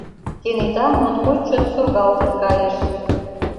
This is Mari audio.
Кенета моткоч чот сургалтын кайыш!